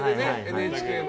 ＮＨＫの。